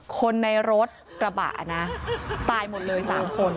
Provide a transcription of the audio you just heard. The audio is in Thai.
คนในรถกระบะนะตายหมดเลย๓คน